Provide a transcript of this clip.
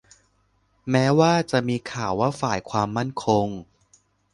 แม้ว่าจะมีข่าวว่าฝ่ายความมั่นคง